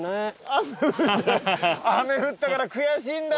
雨降ったから悔しいんだ。